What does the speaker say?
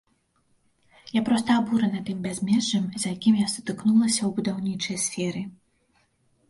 Я проста абурана тым бязмежжам, з якім я сутыкнулася ў будаўнічай сферы.